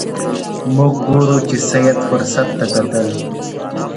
موږ ګورو چې سید فرصت ته کتل.